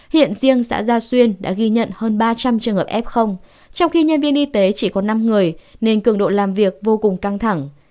hiện riêng xã gia xuyên đã ghi nhận hơn ba trăm linh trường hợp f trong khi nhân viên y tế chỉ có năm người nên cường độ làm việc vô cùng căng thẳng